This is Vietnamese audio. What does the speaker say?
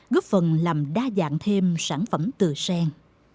góp phần làm đa dạng thêm sản phẩm từ sen